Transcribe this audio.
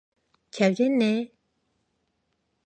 잘됐네!